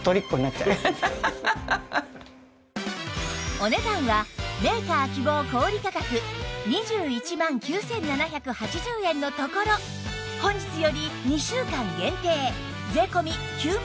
お値段はメーカー希望小売価格２１万９７８０円のところ本日より２週間限定税込９万４８００円